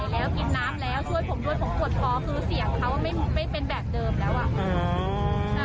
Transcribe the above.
กินน้ำแล้วช่วยผมด้วยผมขวดพร้อมรู้เสียงเขาว่าไม่ไม่เป็นแบบเดิมแล้วอ่ะ